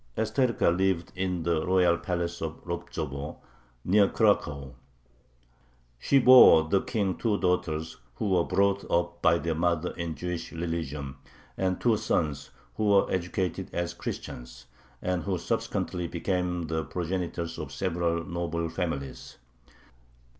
Estherka lived in the royal palace of Lobzovo, near Cracow. She bore the King two daughters, who were brought up by their mother in the Jewish religion, and two sons, who were educated as Christians, and who subsequently became the progenitors of several noble families.